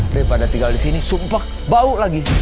daripada tinggal disini sumpah bau lagi